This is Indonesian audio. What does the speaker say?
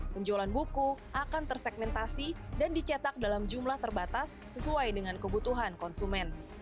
penjualan buku akan tersegmentasi dan dicetak dalam jumlah terbatas sesuai dengan kebutuhan konsumen